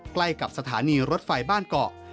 ใกล้กับสถานีรถไฟบ้านเกาะ